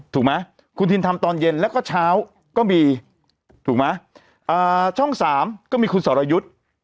ถูกไหมคุณทินทำตอนเย็นแล้วก็เช้าก็มีถูกไหมช่อง๓ก็มีคุณสรยุทธ์